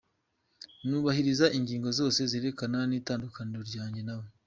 Nubahiriza ingingo zose zerekana itandukaniro ryanjye nawe.